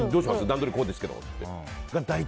段取りこうですけどって。